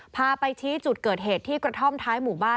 พาไปชี้จุดเกิดเหตุที่กระท่อมท้ายหมู่บ้าน